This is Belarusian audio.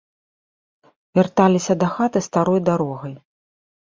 Вярталіся дахаты старой дарогай.